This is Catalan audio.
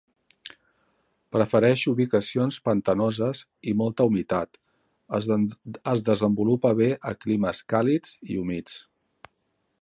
Prefereix ubicacions pantanoses i molta humitat; es desenvolupa bé a climes càlids i humits.